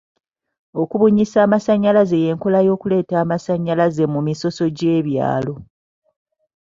Okubunyisa amasannyalaze y'enkola y'okuleeta amasannyalaze mu misoso gy'ebyalo.